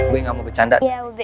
gue gak mau bercanda